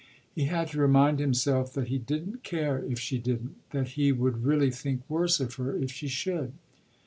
He had to remind himself that he didn't care if she didn't, that he would really think worse of her if she should.